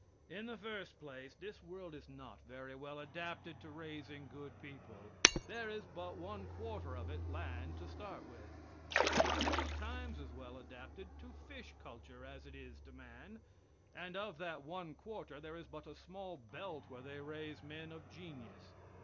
In the first place, this world is not very well adapted to raising good people; there is but one quarter of it land to start with; it is three times as well adapted to fish culture as it is to man, and of that one quarter there is but a small belt where they raise men of genius.